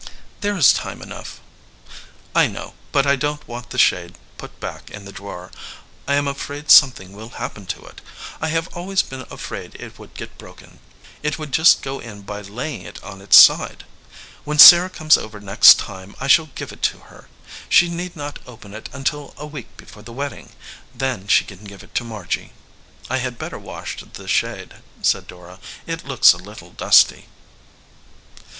"There is time enough." "I know, but I don t want the shade put back in the drawer. I am afraid something will happen to it; I have always been afraid it would get broken. It would just go in by laying it on its side. When Sarah comes over next time I shall give it to her. She need not open it until a week before the wedding. Then she can give it to Margy." 92 VALUE RECEIVED "I had better wash the shade," said Dora. "It looks a little dusty."